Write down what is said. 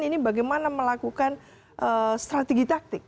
ini bagaimana melakukan strategi taktik